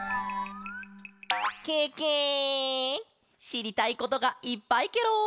しりたいことがいっぱいケロ！